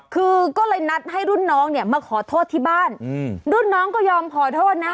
คือก็เลยนัดให้รุ่นน้องเนี่ยมาขอโทษที่บ้านรุ่นน้องก็ยอมขอโทษนะ